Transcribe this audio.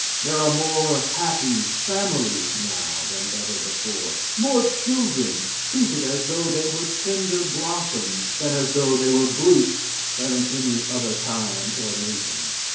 There are more happy families now than ever before more children treated as though they were tender blossoms than as though they were brutes than in any other time or nation.